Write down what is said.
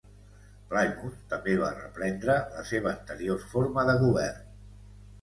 Plymouth també va reprendre la seva anterior forma de govern.